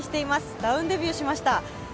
ダウンデビューしました。